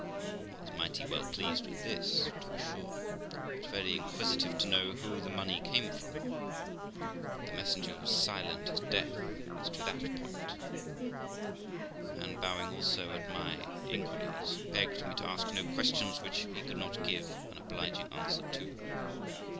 I was mighty well pleased with this, to be sure, but very inquisitive to know who the money came from ; but the messenger was silent as death as to that point, and bowing always at my inquiries, begged me to ask no questions which he could not give an obliging answer to.